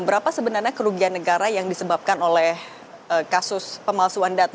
berapa sebenarnya kerugian negara yang disebabkan oleh kasus pemalsuan data